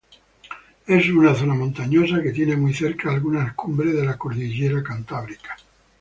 Es una zona montañosa que tiene muy cerca algunas cumbres de la Cordillera Cantábrica.